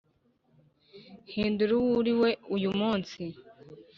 hindura uwo uriwe uyu munsi.